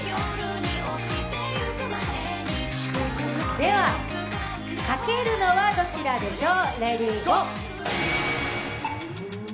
では、かけるのはどちらでしょう。